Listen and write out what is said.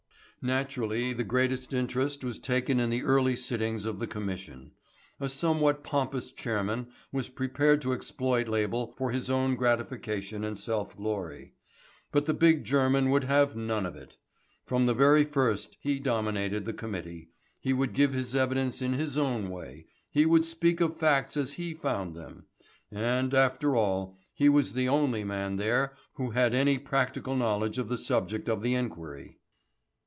Naturally the greatest interest was taken in the early sittings of the Commission. A somewhat pompous chairman was prepared to exploit Label for his own gratification and self glory. But the big German would have none of it. From the very first he dominated the Committee, he would give his evidence in his own way, he would speak of facts as he found them. And, after all, he was the only man there who had any practical knowledge of the subject of the inquiry.